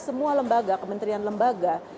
semua lembaga kementerian lembaga